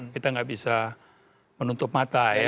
kita nggak bisa menutup mata ya